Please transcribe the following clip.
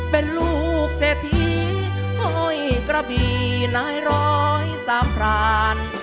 เป็นลูกเศรษฐีห้อยกระบี่นายร้อยสามพราน